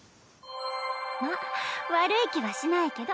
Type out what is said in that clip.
まあ悪い気はしないけど。